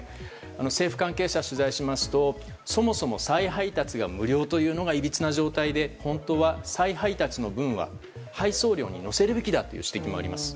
政府関係者を取材しますとそもそも再配達が無料というのがいびつな状態で本当は、再配達の分は配送料に乗せるべきだという指摘もあります。